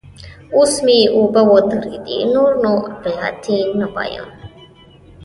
اوس مې اوبه ودرېدلې؛ نور نو اپلاتي نه وایم.